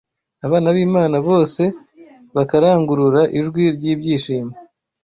abana b’Imana bose bakarangurura ijwi ry’ibyishimo